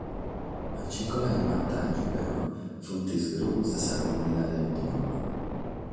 A nche colare in vantàgiu, però, sunt sos grogos de sa comunidade autònoma.